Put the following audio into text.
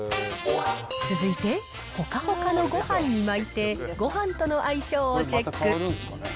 続いて、ほかほかのごはんに巻いて、ごはんとの相性をチェック。